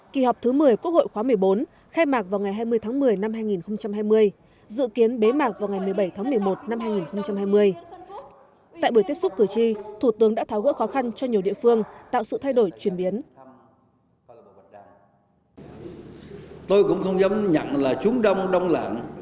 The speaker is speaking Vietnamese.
kỳ họp thứ một mươi quốc hội khóa một mươi bốn khai mạc vào ngày hai mươi tháng một mươi năm hai nghìn hai mươi dự kiến bế mạc vào ngày một mươi bảy tháng một mươi một năm hai nghìn hai mươi